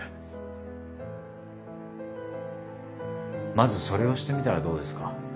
まずそれをしてみたらどうですか？